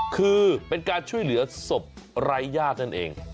คือเป็นการช่วยเหลือศพไร้ญาตินั่นเอง